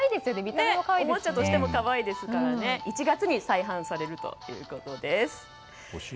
おもちゃとしても可愛いですから１月に再販されるということです。